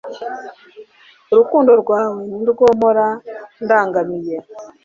urukundo rwawe ni rwo mpora ndangamiye